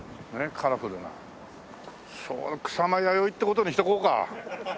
草間彌生って事にしとこうか。